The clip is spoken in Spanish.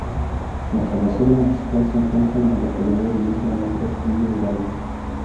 La cabecera municipal se encuentra en la localidad de mismo nombre, Villa Hidalgo.